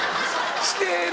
してる！